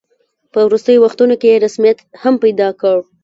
په وروستیو وختونو کې یې رسمیت هم پیدا کړ.